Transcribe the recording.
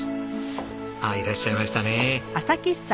ああいらっしゃいましたね。